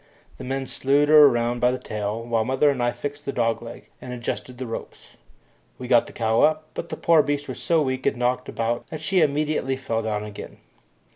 The men slewed her round by the tail, while mother and I fixed the dog leg and adjusted the ropes. We got the cow up, but the poor beast was so weak and knocked about that she immediately fell down again.